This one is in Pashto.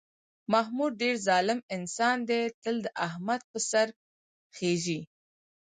محمود ډېر ظالم انسان دی، تل د احمد په سر خېژي.